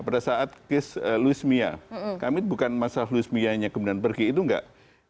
pada saat kes luismia kami bukan masalah luismianya kemudian pergi itu enggak